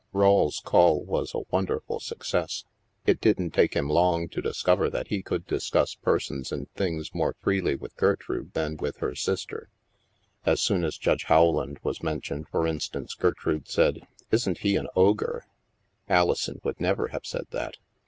Rawle's call was a wonderful success. It didn't take him long to discover that he could discuss per sons and things more freely with Gertrude than with her sister. As soon as Judge Rowland was men tioned, for instance, Gertrude said, " Isn't he an ogre? " Alison would never have said that.